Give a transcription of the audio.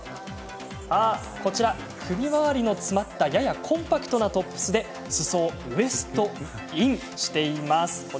首まわりの詰まったややコンパクトなトップスですそをウエストインしています。